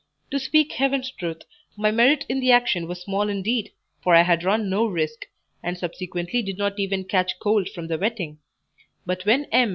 To speak heaven's truth, my merit in the action was small indeed, for I had run no risk, and subsequently did not even catch cold from the wetting; but when M.